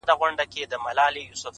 • دواړه لاسه يې کړل لپه؛